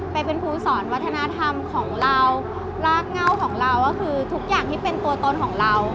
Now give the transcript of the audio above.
ไปเป็นครูสอนวัฒนธรรมของเรารากเง่าของเราก็คือทุกอย่างที่เป็นตัวตนของเรา